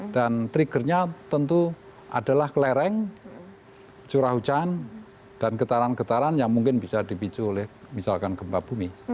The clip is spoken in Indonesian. dan triggernya tentu adalah lereng curah hujan dan getaran getaran yang mungkin bisa dipicu oleh misalkan gempa bumi